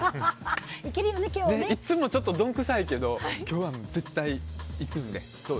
いつもどんくさいけど今日は絶対いくんで。